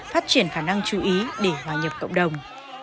phát triển khả năng chú ý để hòa nhập cộng đồng